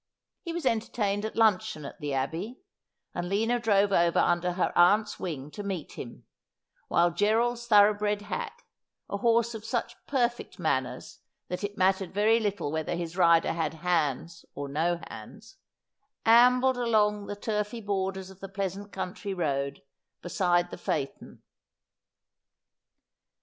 He was entertained at luncheon at the Abbey ; and Lina drove over under her aunt's wing to meet him, while Gerald's thoroughbred hack — a horse of such perfect manners that it mattered very little whether his rider had hands or no hands — ambled along the turfy borders of the pleasant country road beside the phaeton.